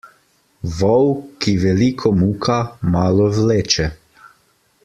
Vol, ki veliko muka, malo vleče.